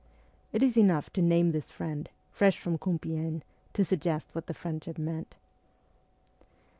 It is enough to name this friend, fresh from Compiegne, to suggest what the friendship meant.